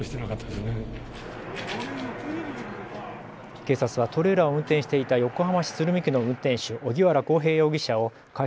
警察はトレーラーを運転していた横浜市鶴見区の運転手荻原航平容疑者を過失